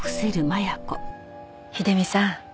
秀美さん。